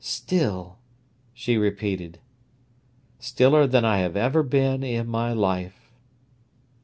"Still!" she repeated. "Stiller than I have ever been in my life."